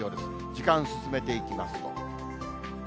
時間進めていきますと。